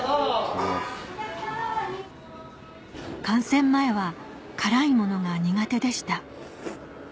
感染前は辛いものが苦手でした